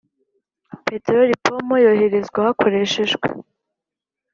Peteroli ipompo yoherezwa hakoreshejwe